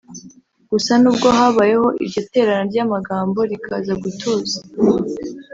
Gusa n’ubwo habayeho iryo terana ry’amagambo rikaza gutuza